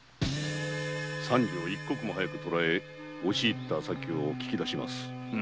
三次を一刻も早く捕え押し入った先を聞き出します。